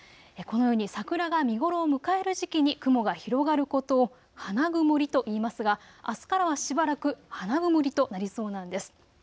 このように桜が見頃を迎える時期に雲が広がることを花曇りといいますがあすからはしばらく花曇りとなりそうなんです。